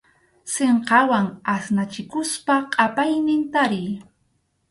Sinqawan asnachikuspa qʼapaynin tariy.